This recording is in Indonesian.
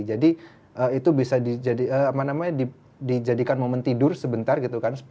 jadi itu bisa dijadikan momen tidur sebentar gitu kan